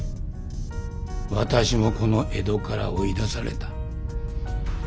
私もこの江戸から追い出された。